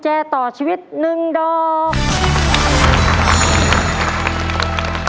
จังหวัดมหาสารคาม